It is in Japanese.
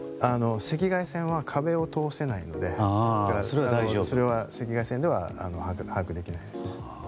赤外線は壁を通せないのでそれは、赤外線では把握できないですね。